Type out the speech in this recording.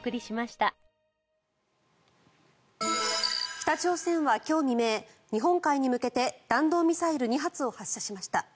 北朝鮮は今日未明日本海に向けて弾道ミサイル２発を発射しました。